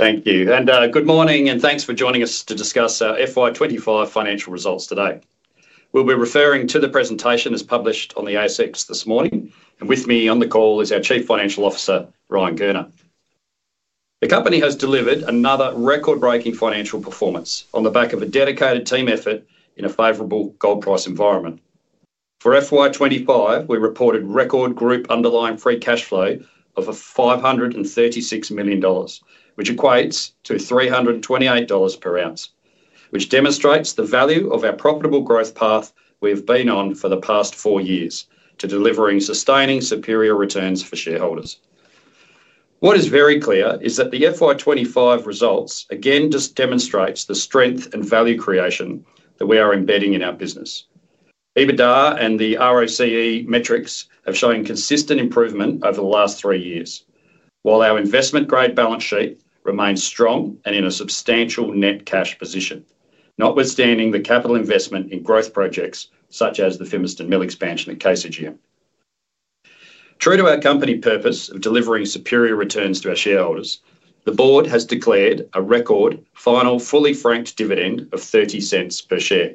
Thank you, and good morning, and thanks for joining us to discuss our FY 2025 financial results today. We'll be referring to the presentation as published on the ASX this morning, and with me on the call is our Chief Financial Officer, Ryan Gurner. The company has delivered another record-breaking financial performance on the back of a dedicated team effort in a favorable gold price environment. For FY 2025, we reported record Group Free Cash Flow of $536 million, which equates to $328 per ounce, which demonstrates the value of our profitable growth path we have been on for the past four years to delivering sustaining superior returns for shareholders. What is very clear is that the FY 2025 results again demonstrate the strength and value creation that we are embedding in our business. EBITDA and the ROCE metrics have shown consistent improvement over the last three years, while our investment-grade balance sheet remains strong and in a substantial net cash position, notwithstanding the capital investment in growth projects such as the Fimiston Mill expansion at KCGM. True to our company purpose of delivering superior returns to our shareholders, the Board has declared a record final fully franked dividend of $0.30 per share,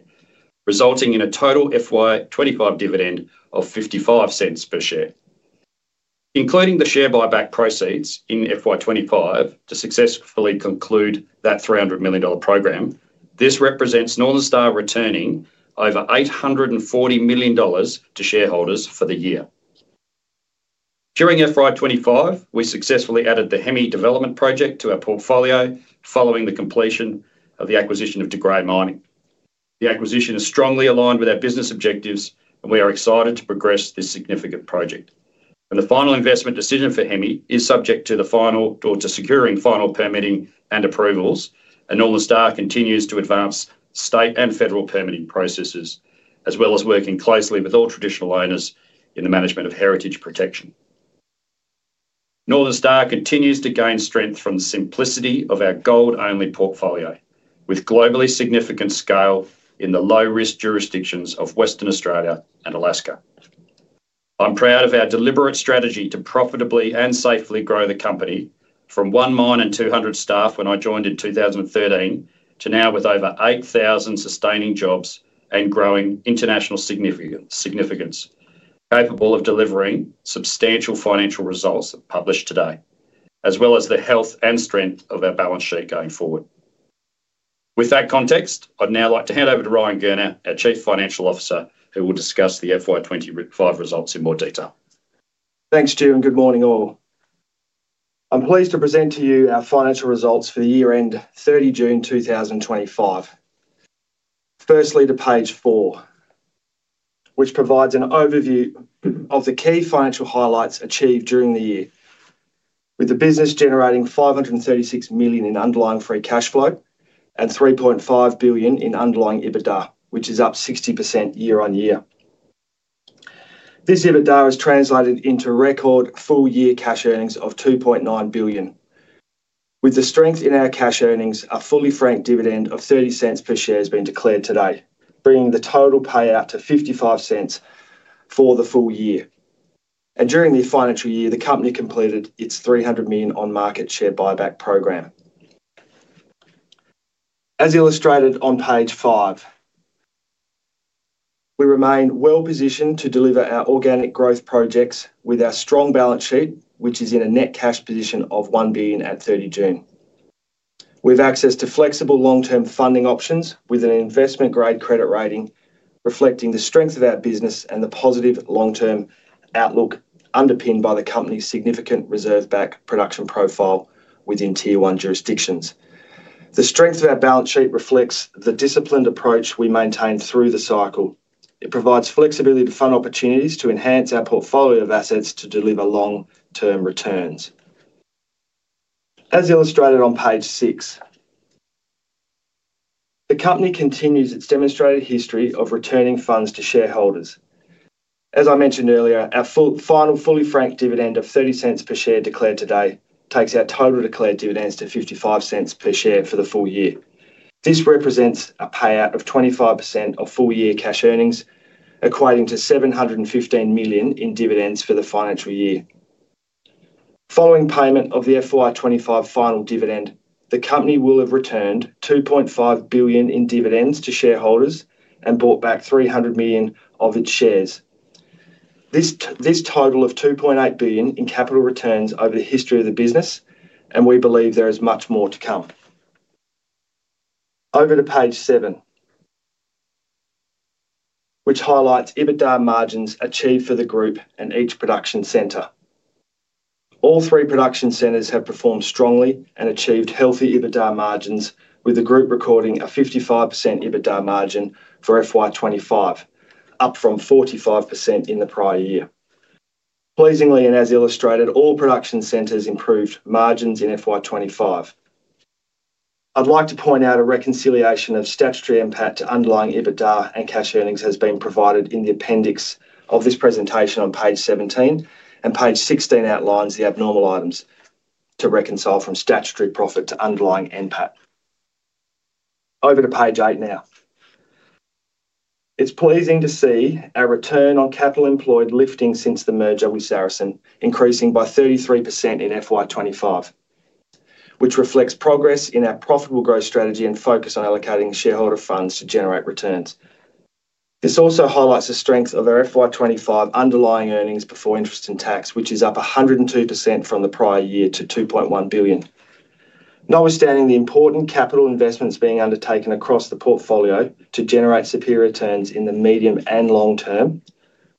resulting in a total FY 2025 dividend of $0.55 per share. Including the share buyback proceeds in FY 2025 to successfully conclude that $300 million program, this represents Northern Star returning over $840 million to shareholders for the year. During FY 2025, we successfully added the Hemi development project to our portfolio following the completion of the acquisition of De Grey Mining. The acquisition is strongly aligned with our business objectives, and we are excited to progress this significant project. The final investment decision for Hemi is subject to the final or to securing final permitting and approvals, and Northern Star continues to advance state and federal permitting processes, as well as working closely with all traditional owners in the management of heritage protection. Northern Star continues to gain strength from the simplicity of our gold-only portfolio, with globally significant scale in the low-risk jurisdictions of Western Australia and Alaska. I'm proud of our deliberate strategy to profitably and safely grow the company, from 1,200 staff when I joined in 2013 to now with over 8,000 sustaining jobs and growing international significance, capable of delivering substantial financial results published today, as well as the health and strength of our balance sheet going forward. With that context, I'd now like to hand over to Ryan Gurner, our Chief Financial Officer, who will discuss the FY 2025 results in more detail. Thanks, Stu, and good morning all. I'm pleased to present to you our financial results for the year-end 30 June 2025. Firstly, to page four, which provides an overview of the key financial highlights achieved during the year, with the business generating $536 million in underlying free cash flow and $3.5 billion in underlying EBITDA, which is up 60% year on year. This EBITDA has translated into record full-year cash earnings of $2.9 billion, with the strength in our cash earnings, a fully franked dividend of $0.30 per share being declared today, bringing the total payout to $0.55 for the full year. During the financial year, the company completed its $300 million on-market share buyback program. As illustrated on page five, we remain well-positioned to deliver our organic growth projects with our strong balance sheet, which is in a net cash position of $1 billion at 30 June. We have access to flexible long-term funding options with an investment-grade credit rating, reflecting the strength of our business and the positive long-term outlook underpinned by the company's significant reserve-backed production profile within Tier 1 jurisdictions. The strength of our balance sheet reflects the disciplined approach we maintain through the cycle. It provides flexibility to fund opportunities to enhance our portfolio of assets to deliver long-term returns. As illustrated on page six, the company continues its demonstrated history of returning funds to shareholders. As I mentioned earlier, our final fully franked dividend of $0.30 per share declared today takes our total declared dividends to $0.55 per share for the full year. This represents a payout of 25% of full-year cash earnings, equating to $715 million in dividends for the financial year. Following payment of the FY 2025 final dividend, the company will have returned $2.5 billion in dividends to shareholders and bought back $300 million of its shares. This totals $2.8 billion in capital returns over the history of the business, and we believe there is much more to come. Over to page seven, which highlights EBITDA margins achieved for the group and each production centre. All three production centres have performed strongly and achieved healthy EBITDA margins, with the group recording a 55% EBITDA margin for FY 2025, up from 45% in the prior year. Pleasingly, as illustrated, all production centres improved margins in FY 2025. I'd like to point out a reconciliation of statutory impact to underlying EBITDA and cash earnings has been provided in the appendix of this presentation on page 17, and page 16 outlines the abnormal items to reconcile from statutory profit to underlying impact. Over to page eight now. It's pleasing to see our return on capital employed lifting since the merger with Saracen, increasing by 33% in FY 2025, which reflects progress in our profitable growth strategy and focus on allocating shareholder funds to generate returns. This also highlights the strength of our FY 2025 underlying earnings before interest and tax, which is up 102% from the prior year to $2.1 billion. Notwithstanding the important capital investments being undertaken across the portfolio to generate superior returns in the medium and long term,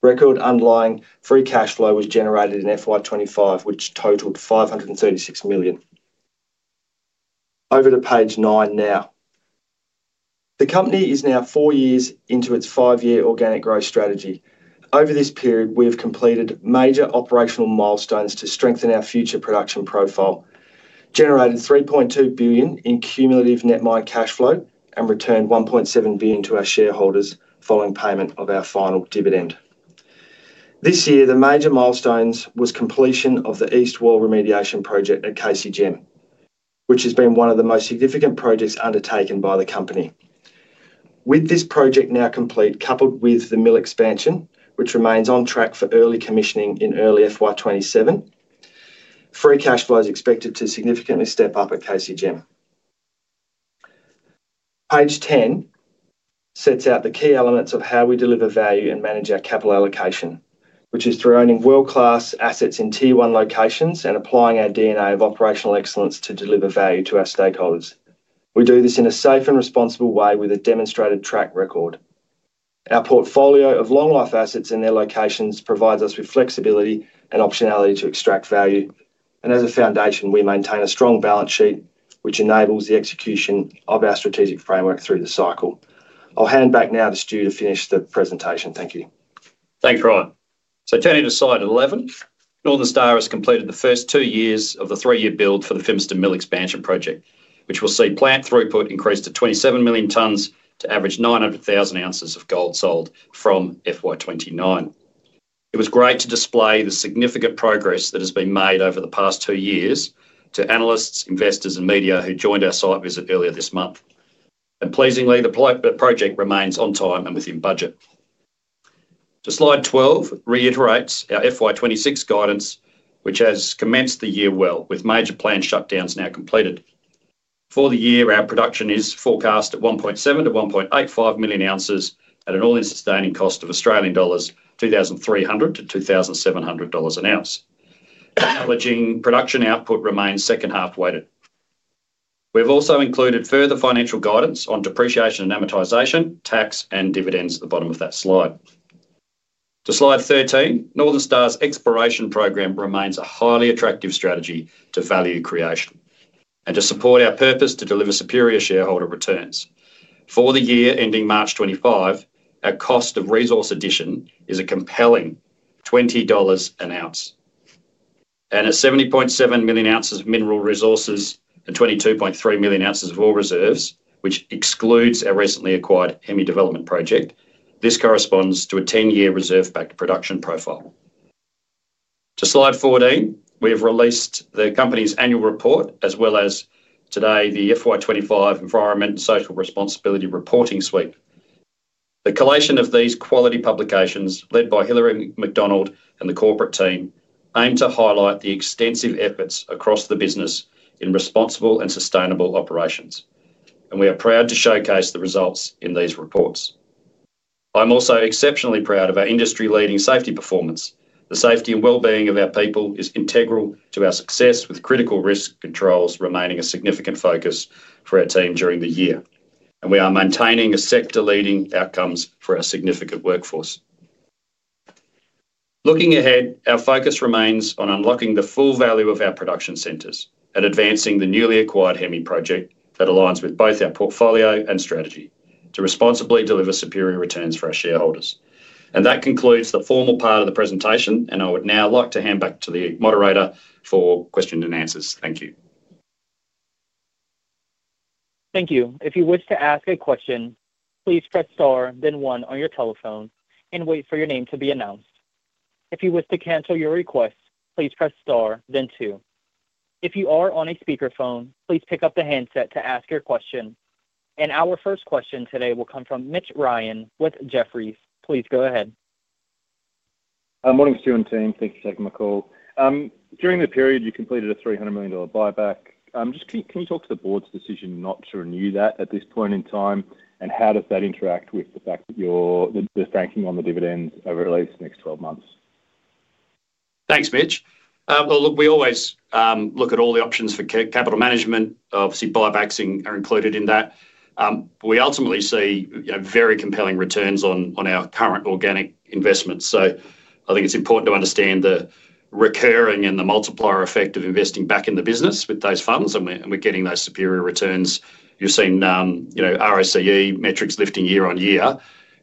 record underlying free cash flow was generated in FY 2025, which totaled $536 million. Over to page nine now. The company is now four years into its five-year organic growth strategy. Over this period, we have completed major operational milestones to strengthen our future production profile, generated $3.2 billion in cumulative net money cash flow, and returned $1.7 billion to our shareholders following payment of our final dividend. This year, the major milestone was completion of the east wall remediation project at KCGM, which has been one of the most significant projects undertaken by the company. With this project now complete, coupled with the mill expansion, which remains on track for early commissioning in early FY 2027, free cash flow is expected to significantly step up at KCGM. Page 10 sets out the key elements of how we deliver value and manage our capital allocation, which is through owning world-class assets in Tier 1 locations and applying our DNA of operational excellence to deliver value to our stakeholders. We do this in a safe and responsible way with a demonstrated track record. Our portfolio of long-life assets in their locations provides us with flexibility and optionality to extract value, and as a foundation, we maintain a strong balance sheet, which enables the execution of our strategic framework through the cycle. I'll hand back now to Stu to finish the presentation. Thank you. Thanks, Ryan. Turning to slide 11, Northern Star has completed the first two years of the three-year build for the Fimiston Mill expansion project, which will see plant throughput increased to 27 million tonnes to average 900,000 ounces of gold sold from FY 2029. It was great to display the significant progress that has been made over the past two years to analysts, investors, and media who joined our site visit earlier this month. Pleasingly, the project remains on time and within budget. Slide 12 reiterates our FY 2026 guidance, which has commenced the year well with major planned shutdowns now completed. For the year, our production is forecast at 1.7 to 1.85 million ounces at an all-in sustaining cost of AUD $2,300 to $2,700 an ounce. Production output remains second half weighted. We have also included further financial guidance on depreciation and amortization, tax, and dividends at the bottom of that slide. To slide 13, Northern Star's exploration program remains a highly attractive strategy to value creation and to support our purpose to deliver superior shareholder returns. For the year ending March 2025, our cost of resource addition is a compelling $20 an ounce. At 70.7 million ounces of mineral resources and 22.3 million ounces of ore reserves, which excludes our recently acquired Hemi development project, this corresponds to a 10-year reserve-backed production profile. To slide 14, we have released the company's annual report, as well as today the FY 2025 Environment and Social Responsibility Reporting Suite. The collation of these quality publications, led by Hilary McDonald and the corporate team, aim to highlight the extensive efforts across the business in responsible and sustainable operations. We are proud to showcase the results in these reports. I'm also exceptionally proud of our industry-leading safety performance. The safety and well-being of our people is integral to our success, with critical risk controls remaining a significant focus for our team during the year. We are maintaining sector-leading outcomes for our significant workforce. Looking ahead, our focus remains on unlocking the full value of our production centers and advancing the newly acquired Hemi project that aligns with both our portfolio and strategy to responsibly deliver superior returns for our shareholders. That concludes the formal part of the presentation, and I would now like to hand back to the moderator for questions and answers. Thank you. Thank you. If you wish to ask a question, please press star, then one on your telephone, and wait for your name to be announced. If you wish to cancel your request, please press star, then two. If you are on a speaker phone, please pick up the handset to ask your question. Our first question today will come from Mitch Ryan with Jefferies. Please go ahead. Morning, Stu and team. Thanks for taking my call. During the period you completed a $300 million buyback, can you talk to the Board's decision not to renew that at this point in time? How does that interact with the fact that you're banking on the dividends over the next 12 months? Thanks, Mitch. We always look at all the options for capital management. Obviously, buybacks are included in that, but we ultimately see very compelling returns on our current organic investments. I think it's important to understand the recurring and the multiplier effect of investing back in the business with those funds, and we're getting those superior returns. You're seeing ROCE metrics lifting year on year,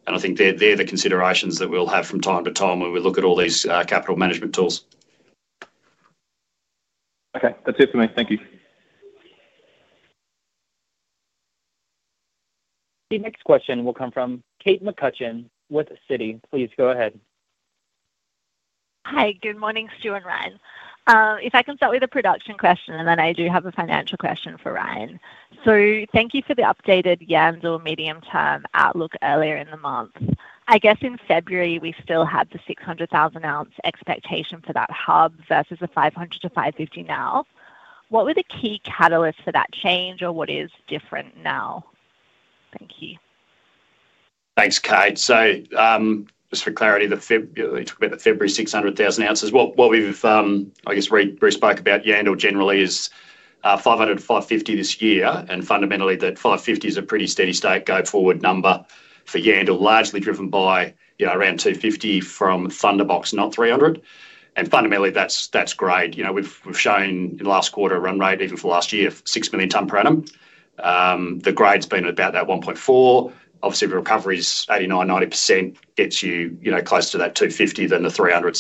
and I think they're the considerations that we'll have from time to time when we look at all these capital management tools. Okay, that's it for me. Thank you. The next question will come from Kate McCutcheon with Citi. Please go ahead. Hi, good morning, Stu and Ryan. If I can start with a production question, and then I do have a financial question for Ryan. Thank you for the updated YAMS or medium-term outlook earlier in the month. I guess in February we still had the 600,000-ounce expectation for that hub versus a 500 to 550 now. What were the key catalysts for that change or what is different now? Thank you. Thanks, Kate. Just for clarity, the February 600,000 ounces, what we've, I guess, re-spoke about Yandal generally is 500 to 550 this year. Fundamentally, that 550 is a pretty steady state going forward number for Yandal, largely driven by around 250 from Thunderbox, not 300. Fundamentally, that's grade. We've shown in the last quarter run rate, even for last year, 6 million tons per annum. The grade's been about that 1.4. Obviously, the recovery is 89% to 90%, gets you close to that 250 than the 300.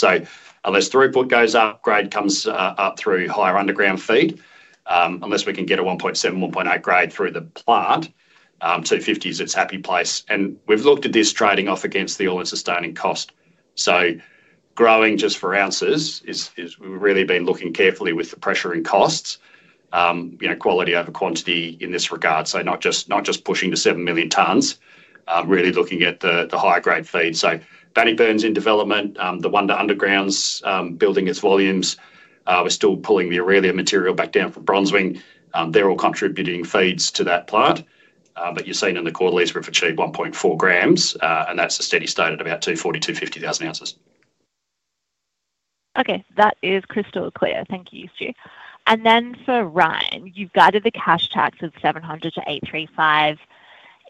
Unless throughput goes up, grade comes up through higher underground feed. Unless we can get a 1.7, 1.8 grade through the plant, 250 is its happy place. We've looked at this trading off against the all-in sustaining cost. Growing just for ounces is we've really been looking carefully with the pressure and costs, quality over quantity in this regard. Not just pushing to 7 million tons, really looking at the higher grade feed. Bannockburns in development, the one to undergrounds building its volumes. We're still pulling the Aurelia material back down from Bronzewing. They're all contributing feeds to that plant. You're seeing in the quarterlies we've achieved 1.4 grams, and that's a steady state at about 240,000-250,000 ounces. Okay, that is crystal clear. Thank you, Stu. For Ryan, you've guided the cash tax at $700 million to $835 million.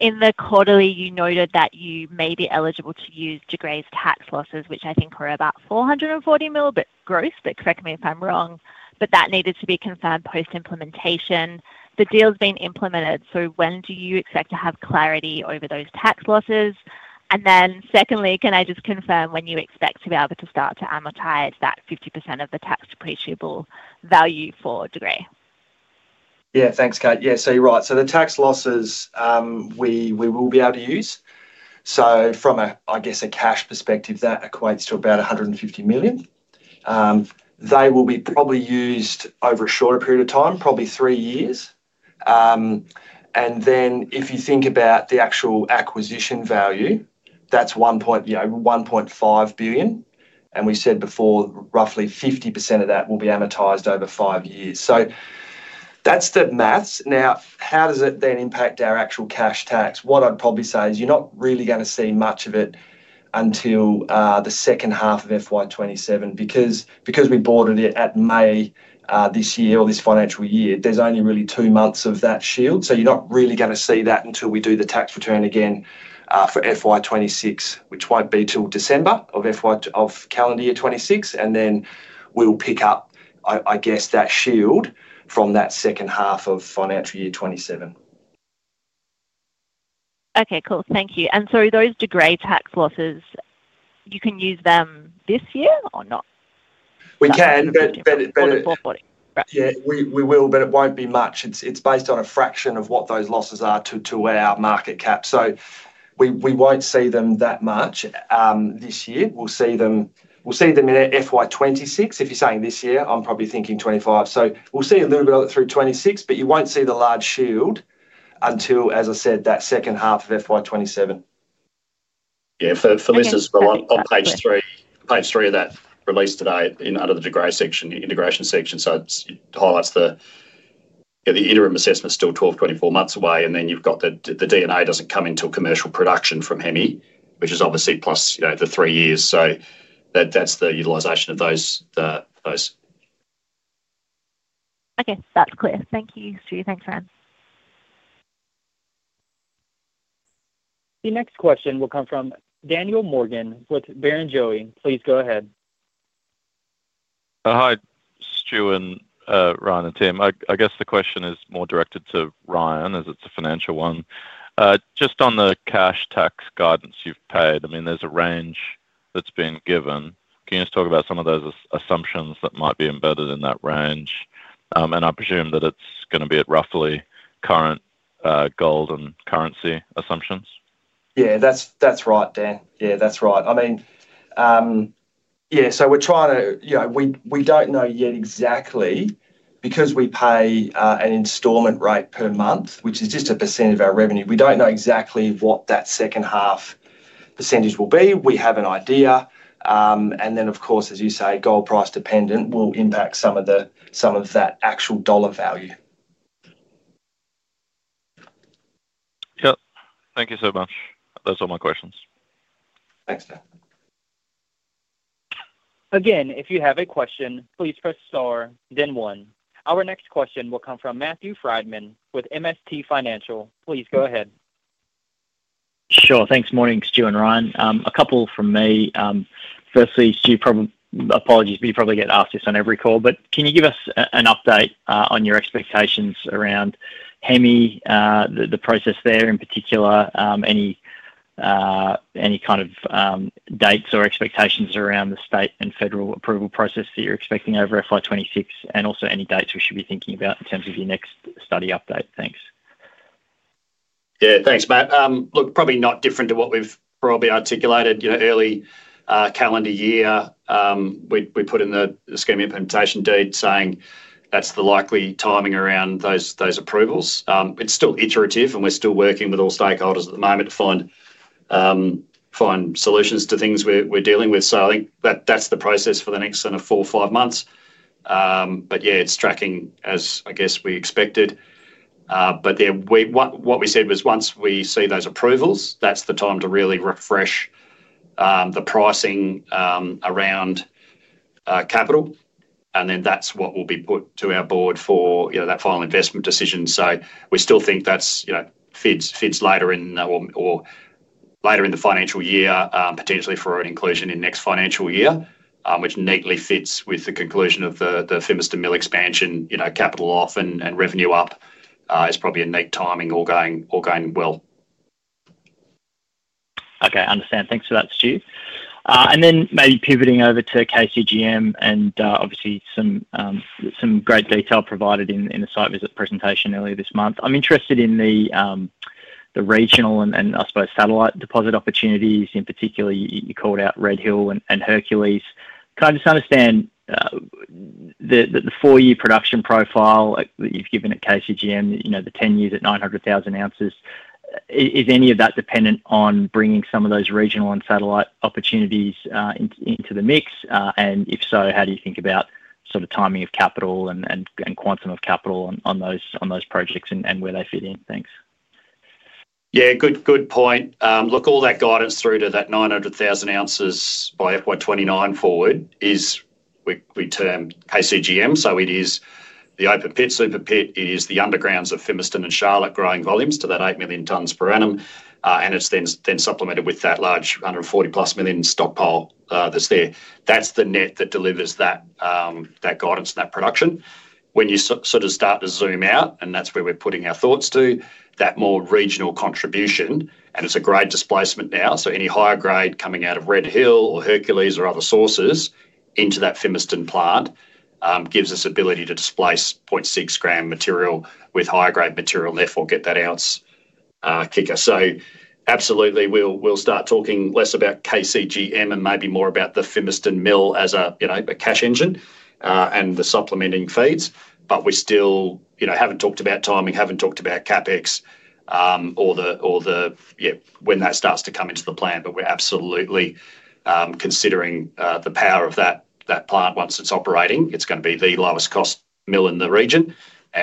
In the quarterly, you noted that you may be eligible to use De Grey's tax losses, which I think were about $440 million gross, but correct me if I'm wrong, but that needed to be confirmed post-implementation. The deal's been implemented. When do you expect to have clarity over those tax losses? Secondly, can I just confirm when you expect to be able to start to amortize that 50% of the tax depreciable value for De Grey? Yeah, thanks, Kate. Yeah, so you're right. The tax losses, we will be able to use. From a, I guess, a cash perspective, that equates to about $150 million. They will be probably used over a shorter period of time, probably three years. If you think about the actual acquisition value, that's $1.5 billion. We said before, roughly 50% of that will be amortized over five years. That's the maths. Now, how does it then impact our actual cash tax? What I'd probably say is you're not really going to see much of it until the second half of FY 2027, because we boarded it at May this year, or this financial year, there's only really two months of that shield. You're not really going to see that until we do the tax return again for FY 2026, which won't be till December of calendar year 2026. We'll pick up, I guess, that shield from that second half of financial year 2027. Okay, cool. Thank you. Are those De Grey tax losses, you can use them this year or not? We can, but it won't be much. It's based on a fraction of what those losses are to our market cap. We won't see them that much this year. We'll see them in FY 2026. If you're saying this year, I'm probably thinking 2025. We'll see a little bit of it through 2026, but you won't see the large shield until, as I said, that second half of FY 2027. Yeah. For this, it's on page three, page three of that release today under the De Grey section, the integration section. It highlights the iterative assessment is still 12-24 months away. You've got the DNA doesn't come into commercial production from Hemi, which is obviously plus the three years. That's the utilization of those. Okay, that's clear. Thank you, Stu. Thanks, Ryan. The next question will come from Daniel Morgan with Barrenjoey. Please go ahead. Hi, Stu and Ryan and team. I guess the question is more directed to Ryan, as it's a financial one. Just on the cash tax guidance you've paid, I mean, there's a range that's been given. Can you just talk about some of those assumptions that might be embedded in that range? I presume that it's going to be at roughly current gold and currency assumptions. Yeah, that's right, Dan. I mean, we're trying to, you know, we don't know yet exactly because we pay an installment rate per month, which is just a percentage of our revenue. We don't know exactly what that second half percentage will be. We have an idea. Of course, as you say, gold price dependent will impact some of that actual dollar value. Yep, thank you so much. That's all my questions. Thanks, Dan. Again, if you have a question, please press star, then one. Our next question will come from Matthew Frydman with MST Financial. Please go ahead. Sure. Thanks. Morning, Stu and Ryan. A couple from me. Firstly, Stu, apologies if you probably get asked this on every call, but can you give us an update on your expectations around Hemi, the process there in particular, any kind of dates or expectations around the state and federal approval process that you're expecting over FY 2026, and also any dates we should be thinking about in terms of your next study update? Thanks. Yeah, thanks, Matt. Look, probably not different to what we've probably articulated. You know, early calendar year, we put in the scheme implementation deed saying that's the likely timing around those approvals. It's still iterative and we're still working with all stakeholders at the moment to find solutions to things we're dealing with. I think that's the process for the next four or five months. Yeah, it's tracking as I guess we expected. What we said was once we see those approvals, that's the time to really refresh the pricing around capital. That's what will be put to our board for that final investment decision. We still think that fits later in the financial year, potentially for an inclusion in next financial year, which neatly fits with the conclusion of the Fimiston Mill expansion. You know, capital off and revenue up is probably a neat timing all going well. Okay, I understand. Thanks for that, Stu. Maybe pivoting over to KCGM and obviously some great detail provided in the site visit presentation earlier this month. I'm interested in the regional and I suppose satellite deposit opportunities. In particular, you called out Red Hill and Hercules. Can I just understand the four-year production profile that you've given at KCGM, you know, the 10 years at 900,000 ounces, is any of that dependent on bringing some of those regional and satellite opportunities into the mix? If so, how do you think about sort of timing of capital and quantum of capital on those projects and where they fit in? Thanks. Yeah, good point. Look, all that guidance through to that 900,000 ounces by FY 2029 forward is what we term KCGM. It is the open pit, Super Pit. It is the undergrounds of Fimiston and Charlotte growing volumes to that 8 million tons per annum. It's then supplemented with that large 140+ million stockpile that's there. That's the net that delivers that guidance and that production. When you sort of start to zoom out, that's where we're putting our thoughts to, that more regional contribution, and it's a grade displacement now. Any higher grade coming out of Red Hill or Hercules or other sources into that Fimiston plant gives us the ability to displace 0.6 gram material with higher grade material and therefore get that ounce kicker. Absolutely, we'll start talking less about KCGM and maybe more about the Fimiston Mill as a cash engine and the supplementing feeds. We still haven't talked about timing, haven't talked about CapEx or when that starts to come into the plan. We're absolutely considering the power of that plant once it's operating. It's going to be the lowest cost mill in the region.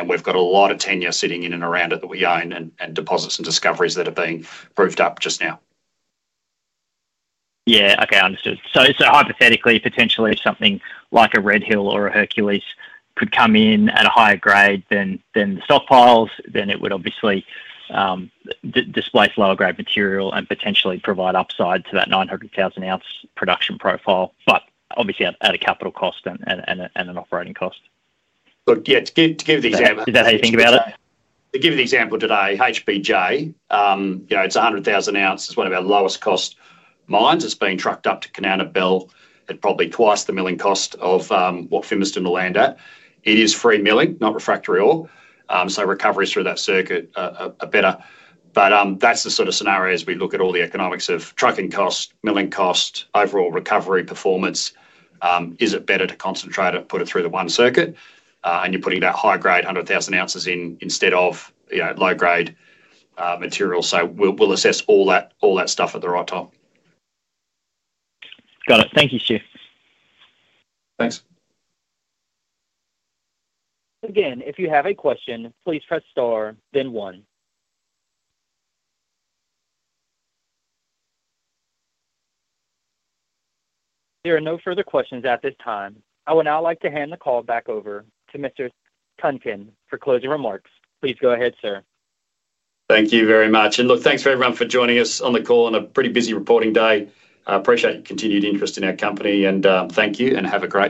We've got a lot of tenure sitting in and around it that we own and deposits and discoveries that have been proved up just now. Okay, I understood. Hypothetically, potentially something like a Red Hill or a Hercules could come in at a higher grade than the stockpiles. It would obviously displace lower grade material and potentially provide upside to that 900,000 ounce production profile, but obviously at a capital cost and an operating cost. Good. Yeah, to give an example. Is that how you think about it? To give an example today, HBJ, you know, it's 100,000 ounces. It's one of our lowest cost mines. It's being trucked up to Canana Bell at probably twice the milling cost of what Fimiston Mill will land at. It is free milling, not refractory ore. Recoveries through that circuit are better. That's the sort of scenario as we look at all the economics of trucking cost, milling cost, overall recovery performance. Is it better to concentrate it, put it through the one circuit, and you're putting that high grade 100,000 ounces in instead of low grade material? We'll assess all that stuff at the right time. Got it. Thank you, Stuart. Thanks. Again, if you have a question, please press star, then one. There are no further questions at this time. I would now like to hand the call back over to Mr. Tonkin for closing remarks. Please go ahead, sir. Thank you very much. Thanks for everyone for joining us on the call on a pretty busy reporting day. Appreciate your continued interest in our company and thank you and have a great day.